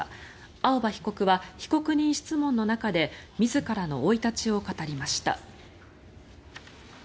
青葉被告は被告人質問の中で自らの生い立ちを語りました。